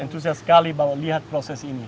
antusias sekali bahwa lihat proses ini